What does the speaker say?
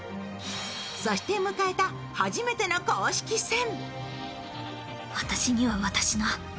そして迎えた初めての公式戦。